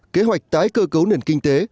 kế hoạch tái cơ cấu nền kinh tế